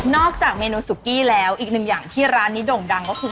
จากเมนูสุกี้แล้วอีกหนึ่งอย่างที่ร้านนี้โด่งดังก็คือ